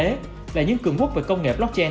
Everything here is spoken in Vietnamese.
đó là những cường quốc về công nghệ blockchain